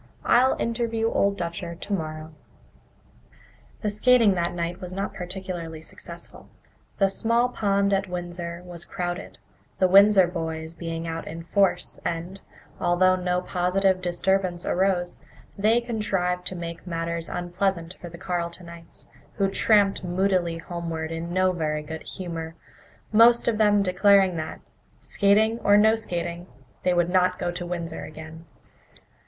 "I'll interview Old Dutcher tomorrow." The skating that night was not particularly successful. The small pond at Windsor was crowded, the Windsor boys being out in force and, although no positive disturbance arose, they contrived to make matters unpleasant for the Carletonites, who tramped moodily homeward in no very good humour, most of them declaring that, skating or no skating, they would not go to Windsor again.